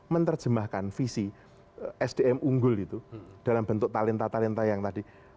menerjemahkan visi sdm unggul itu dalam bentuk talenta talenta yang tadi